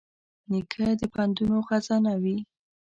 نیکه د پندونو خزانه وي.